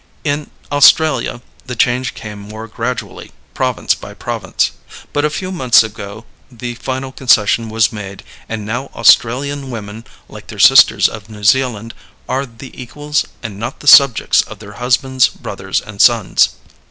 In Australia the change came more gradually, province by province. But a few months ago the final concession was made and now Australian women, like their sisters of New Zealand, are the equals and not the subjects of their husbands, brothers, and sons.